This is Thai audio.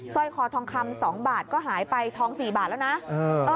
ร้อยคอทองคำ๒บาทก็หายไปทอง๔บาทแล้วนะ